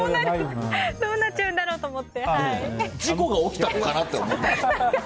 どうなっちゃうんだろうと事故が起きたのかなって思った。